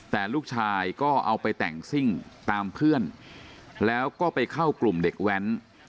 แต่ลูกชายก็เอาไปแต่งซิ่งตามเพื่อนแล้วก็ไปเข้ากลุ่มเด็กแว้น